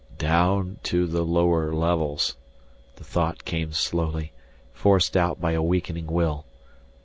" down to the lower levels " the thought came slowly, forced out by a weakening will.